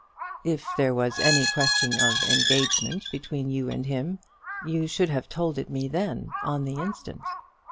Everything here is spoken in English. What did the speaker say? "If there was any question of engagement between you and him, you should have told it me then, on the instant."